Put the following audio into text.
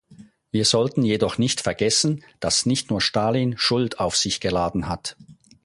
Wir sollten jedoch nicht vergessen, dass nicht nur Stalin Schuld auf sich geladen hat.